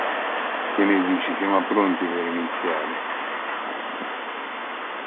The farm grows organic vegetables, herbs, and flowers in a Community Agriculture Program.